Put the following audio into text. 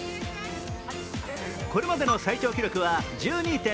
これまでの最長記録は１２．６ｍ。